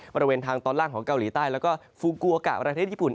บริเวณทางตอนล่างของเกาหลีใต้แล้วก็ฟูกูโอกะประเทศญี่ปุ่น